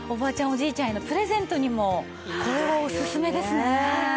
おじいちゃんへのプレゼントにもこれはおすすめですね。